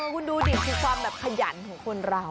คุณดูดิคือความแบบขยันของคนเรา